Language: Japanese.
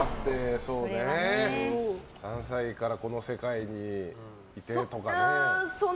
３歳からこの世界にいてとかね。